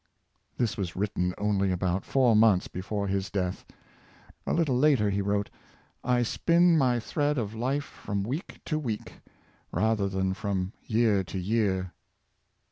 This was written only about four months before his death. A little later he wrote :'' I spin my thread of life from week to week, rather than from year to year.""